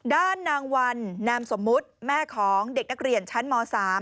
ด้านนางวันนามสมมุติแม่ของเด็กนักเรียนชั้นม๓